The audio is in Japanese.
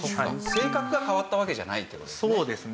性格が変わったわけじゃないっていう事ですね。